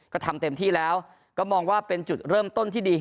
ก็ทำเต็มที่แล้วก็มองว่าเป็นจุดเริ่มต้นที่ดี